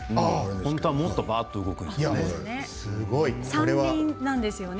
本当はもっとバッと動くんですね。